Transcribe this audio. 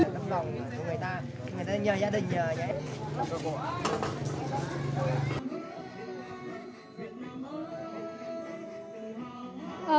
người ta nhờ gia đình nhờ